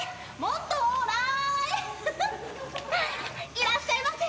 いらっしゃいませ。